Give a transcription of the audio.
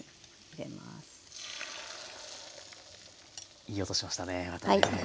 いい音しましたねまたね。